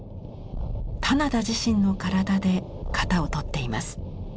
棚田自身の体で型をとっています。